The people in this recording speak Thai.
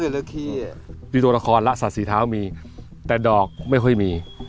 เลขที่มีตัวละครละสัตว์สีเท้ามีแต่ดอกไม่ค่อยมี